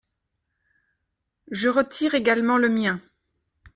Je retire également le mien.